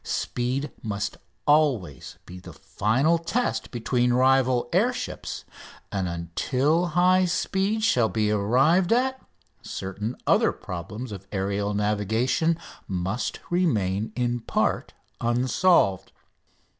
Speed must always be the final test between rival air ships, and until high speed shall be arrived at certain other problems of aerial navigation must remain in part unsolved.